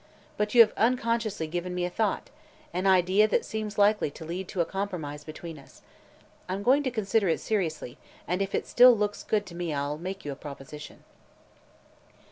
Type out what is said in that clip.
But you have unconsciously given me a thought an idea that seems likely to lead to a compromise between us. I'm going to consider it seriously, and if it still looks good to me I'll make you a proposition."